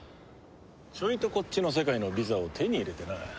ちょいとこっちの世界のビザを手に入れてな。